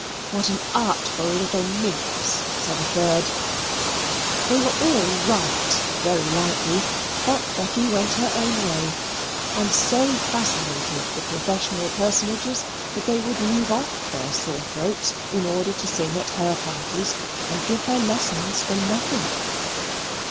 "What an artful little minx" said a third. They were all right very likely, but Becky went her own way, and so fascinated the professional personages that they would leave off their sore throats in order to sing at her parties and give her lessons for nothing.